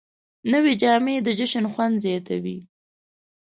نوې جامې د جشن خوند زیاتوي